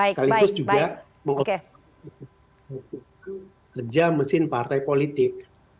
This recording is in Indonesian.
sekaligus juga mengoptimalkan kerja mesin partai politik